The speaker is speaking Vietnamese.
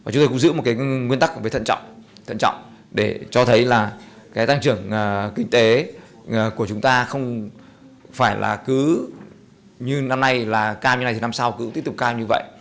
chúng tôi cũng giữ một nguyên tắc thận trọng để cho thấy là tăng trưởng kinh tế của chúng ta không phải là cứ như năm nay cao như thế này thì năm sau cũng tiếp tục cao như vậy